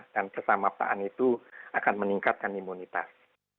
dan kesamapaan itu akan meningkatkan imunitas